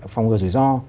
phòng ngừa rủi ro